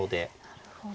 なるほど。